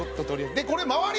これ周り